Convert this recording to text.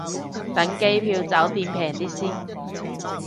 等機票酒店平啲先